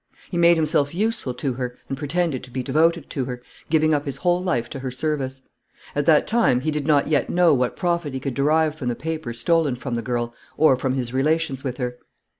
"He made himself useful to her and pretended to be devoted to her, giving up his whole life to her service. At that time he did not yet know what profit he could derive from the papers stolen from the girl or from his relations with her.